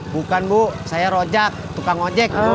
bukan bu saya rojak tukang ojek